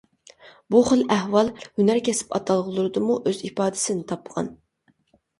بۇ خىل ئەھۋال ھۈنەر-كەسىپ ئاتالغۇلىرىدىمۇ ئۆز ئىپادىسىنى تاپقان.